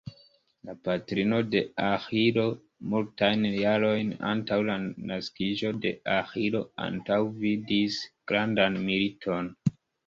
La patrino de Aĥilo multajn jarojn antaŭ la naskiĝo de Aĥilo antaŭvidis grandan militon.